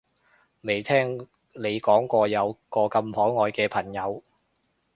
未聽你講過有個咁可愛嘅朋友